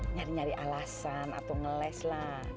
nyari nyari alasan atau ngeles lah